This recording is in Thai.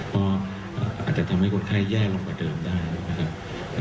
ก็อาจจะทำให้คนไข้แย่ลงกว่าเดิมได้นะครับ